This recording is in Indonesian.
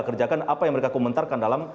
kerjakan apa yang mereka komentarkan dalam